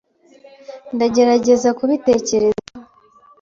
Ndagerageza kutabitekerezaho.